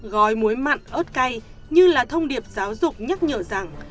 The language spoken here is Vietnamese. gói muối mặn ớt cay như là thông điệp giáo dục nhắc nhở rằng